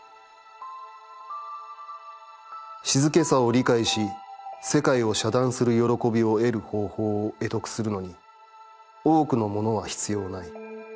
静けさを理解し、世界を遮断する悦びを得る方法を会得するのに、多くのものは必要ない。